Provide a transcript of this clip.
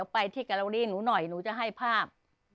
ไปที่การีหนูหน่อยหนูจะให้ภาพ